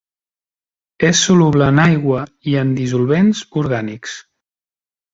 És soluble en aigua i en dissolvents orgànics.